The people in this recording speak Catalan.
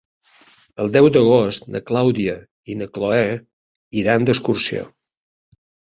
El deu d'agost na Clàudia i na Cloè iran d'excursió.